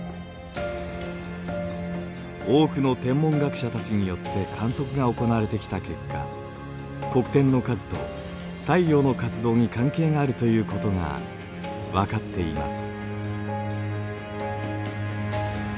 多くの天文学者たちによって観測が行われてきた結果黒点の数と太陽の活動に関係があるということが分かっています。